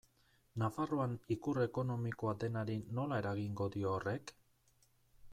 Nafarroan ikur ekonomikoa denari nola eragingo dio horrek?